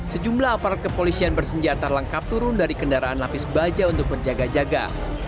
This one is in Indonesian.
sejumlah aparat kepolisian bersenjata lengkap turun dari kendaraan lapis baja untuk menjaga jaga